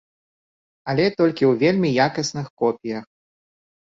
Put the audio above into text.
Але толькі ў вельмі якасных копіях.